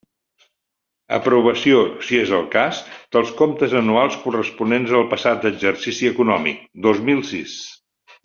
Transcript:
Aprovació, si és el cas, dels comptes anuals corresponents al passat exercici econòmic, dos mil sis.